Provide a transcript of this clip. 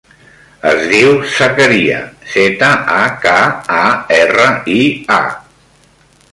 Es diu Zakaria: zeta, a, ca, a, erra, i, a.